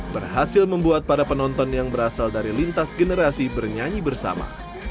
berhasil membuat para penonton yang berasal dari lintas generasi bernyanyi bersama